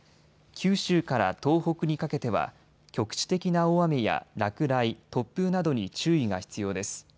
九州から東北にかけては局地的な大雨や落雷、突風などに注意が必要です。